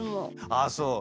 ああそう。